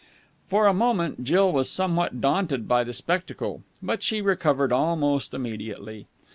For a moment Jill was somewhat daunted by the spectacle, but she recovered almost immediately.